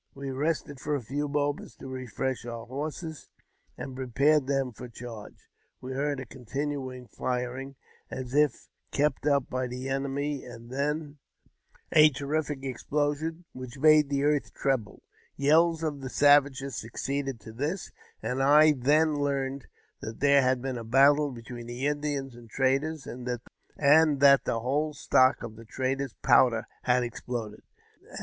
We rested for a few moments, to refresh our horses and prepare them for the charge. We heard a continual firing, as if kept up by the enemy, and then a terrific explosion, which made the earth tremble ; yells of the savages succeeded to this, and I then learned that there had been a battle between the Indians and traders, and that the whole stock of the traders' powder had exploded.